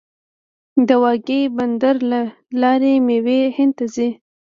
د واګې بندر له لارې میوې هند ته ځي.